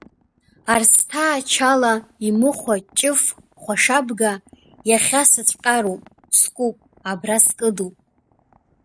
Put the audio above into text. Арсҭаа Чала имыхәа Ҷыф хәашабга, иахьа сыцәҟьароуп, скуп, абра скыдуп.